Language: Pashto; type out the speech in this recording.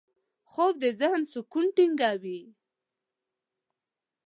خوب د ذهن سکون ټینګوي